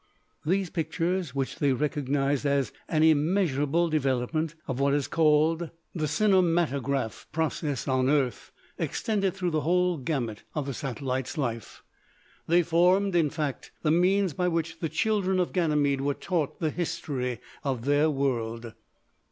These pictures, which they recognised as an immeasurable development of what is called the cinematograph process on Earth, extended through the whole gamut of the satellite's life. They formed, in fact, the means by which the children of Ganymede were taught the history of their world.